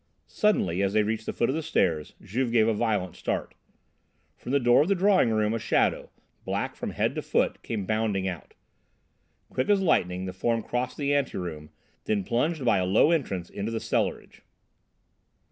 Suddenly, as they reached the foot of the stairs, Juve gave a violent start. From the door of the drawing room a shadow, black from head to foot, came bounding out. Quick as lightning the form crossed the ante room, then plunged by a low entrance into the cellarage.